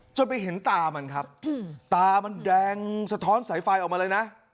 ไปเห็นตามันครับตามันแดงสะท้อนสายไฟออกมาเลยนะ